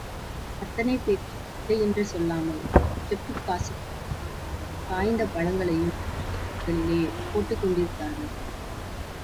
அத்தனை பேருக்கும் இல்லையென்று சொல்லாமல், செப்புக் காசுகளையும், காய்ந்த பழங்களையும் பிச்சையோடுகளிலே போட்டுக் கொண்டிருந்தார்கள்.